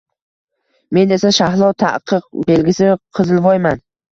-Men esa Shahlo, ta’qiq belgisi — qizilvoyman.